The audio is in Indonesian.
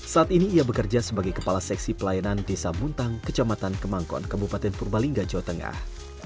saat ini ia bekerja sebagai kepala seksi pelayanan desa buntang kecamatan kemangkon kabupaten purbalingga jawa tengah